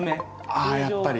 あやっぱり。